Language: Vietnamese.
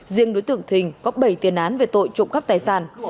riêng đối tượng thình có bảy tiền án về tội trộm cắp tài sản